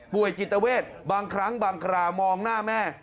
จิตเวทบางครั้งบางครามองหน้าแม่